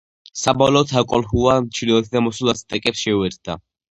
საბოლოოდ აკოლჰუა ჩრდილოეთიდან მოსულ აცტეკებს შეუერთდა.